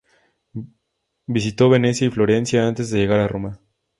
Visitó Venecia y Florencia antes de llegar a Roma.